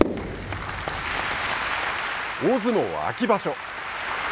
大相撲は秋場所。